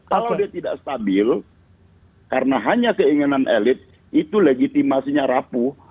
kalau dia tidak stabil karena hanya keinginan elit itu legitimasinya rapuh